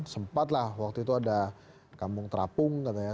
sempat lah waktu itu ada kampung terapung katanya